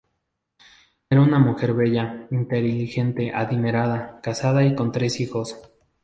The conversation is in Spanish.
Era una mujer bella, inteligente, adinerada, casada y con tres hijos.